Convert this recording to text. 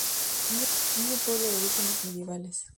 Es un pueblo de orígenes medievales.